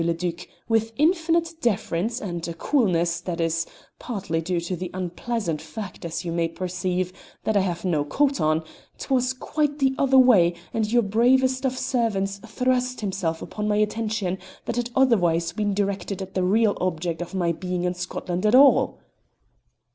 le Duc, with infinite deference, and a coolness that is partly due to the unpleasant fact (as you may perceive) that I have no coat on, 'twas quite the other way, and your bravest of servants thrust himself upon my attention that had otherwise been directed to the real object of my being in Scotland at all."